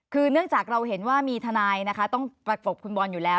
คือเนื่องจากเราเห็นว่ามีทนายนะคะต้องประกบคุณบอลอยู่แล้ว